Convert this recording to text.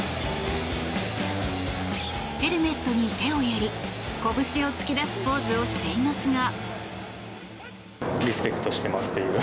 ヘルメットに手をやり拳を突き出すポーズをしていますが。